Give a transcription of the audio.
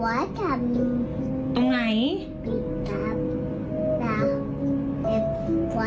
ผีตรงอะไรนะ